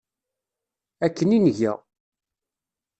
Akken i nga.